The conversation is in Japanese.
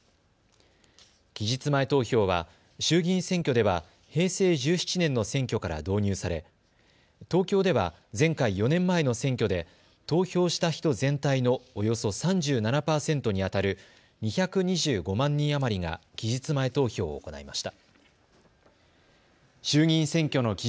期日前投票は衆議院選挙では平成１７年の選挙から導入され東京では前回４年前の選挙で投票した人全体のおよそ３７％にあたる２２５万人余りが期日前投票を行いました。